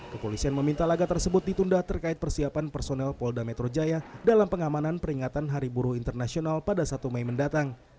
kepolisian meminta laga tersebut ditunda terkait persiapan personel polda metro jaya dalam pengamanan peringatan hari buruh internasional pada satu mei mendatang